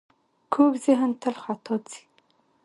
کوږ ذهن تل خطا ځي